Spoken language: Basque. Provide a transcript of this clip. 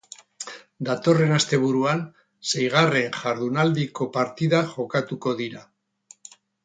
Datorren asteburuan seigarren jardunaldiko partidak jokatuko dira.